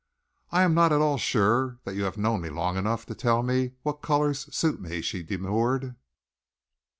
"I am not at all sure that you have known me long enough to tell me what colours suit me," she demurred.